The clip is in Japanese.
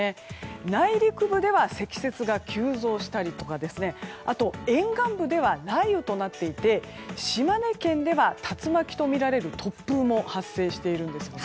内陸部では積雪が急増したりとかあと、沿岸部では雷雨となっていて島根県では竜巻とみられる突風も発生しているんですよね。